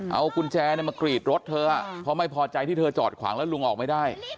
เอากุญแจมากรีดรถเธอเพราะไม่พอใจที่เธอจอดขวางแล้วลุงออกไม่ได้